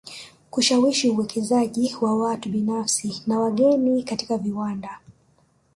Kushawishi uwekezaji wa watu binafsi na wageni katika viwanda